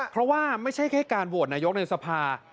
เพราะว่าไม่ใช่แค่การโหวตนายกในสภา